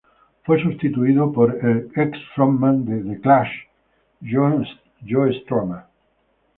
Fue sustituido por el ex "frontman" de The Clash, Joe Strummer.